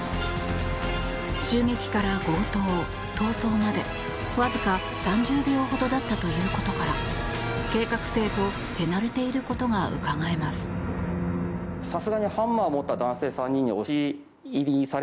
襲撃から強盗、逃走までわずか３０秒ほどだったということから計画性と手慣れていることがうかがえます。